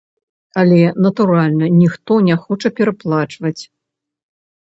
Але, натуральна, ніхто не хоча пераплачваць.